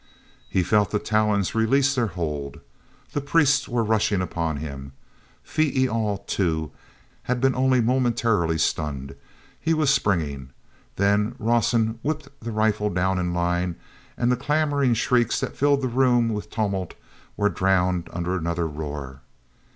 He felt the talons release their hold. The priests were rushing upon him. Phee e al, too, had been only momentarily stunned—he was springing. Then Rawson whipped the rifle down in line, and the clamoring shrieks that filled the room with tumult were drowned under another roar.